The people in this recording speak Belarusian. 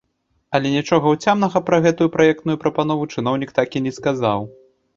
Але нічога ўцямнага пра гэтую праектную прапанову чыноўнік так і не сказаў.